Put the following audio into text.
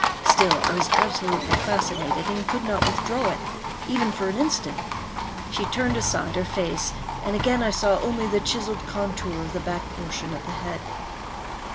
Still, I was absolutely fascinated, and could not withdraw it, even for an instant. She turned aside her face, and again I saw only the chiselled contour of the back portion of the head.